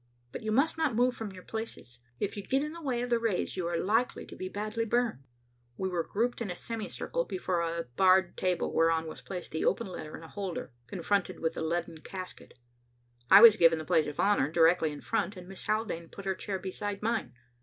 But you must not move from your places. If you get in the way of the rays, you are likely to be badly burned." We were grouped in a semi circle before a bared table whereon was placed the open letter in a holder, confronted with the leaden casket. I was given the place of honor, directly in front, and Miss Haldane put her chair beside mine.